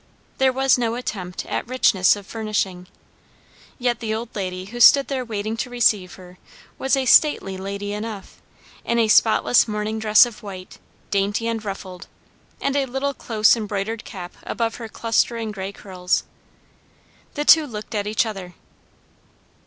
There was no attempt at richness of furnishing. Yet the old lady who stood there waiting to receive her was a stately lady enough, in a spotless morning dress of white, dainty and ruffled, and a little close embroidered cap above her clustering grey curls. The two looked at each other.